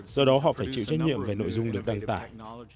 do đó họ phải chịu trách nhiệm về nội dung được đăng tải